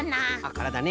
からだね。